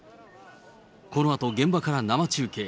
このあと現場から生中継。